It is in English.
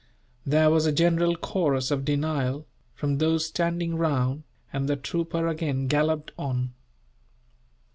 There was a general chorus of denial, from those standing round, and the trooper again galloped on.